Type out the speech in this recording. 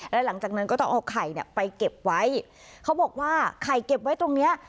แล้วหลังจากนั้นก็ต้องเอาไข่เนี่ยไปเก็บไว้เขาบอกว่าไข่เก็บไว้ตรงเนี้ย